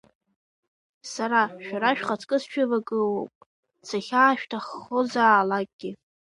Сара, шәара шәхаҵкы, сшәывагылоуп сахьаашәҭаххозаалакгьы.